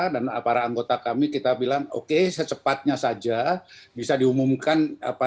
dan para anggota kami kita bilang oke secepatnya saja bisa diumumkan